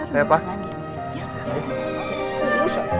mereka pikir kau takut sama mereka